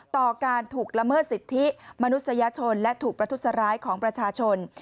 ต่อการถูกละเมิดสิทธิมนุษยชนและถูกประทุษร้ายของประชาชน